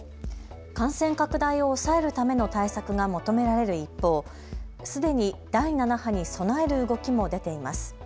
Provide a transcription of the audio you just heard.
感染拡大を抑えるための対策が求められる一方、すでに第７波に備える動きも出ています。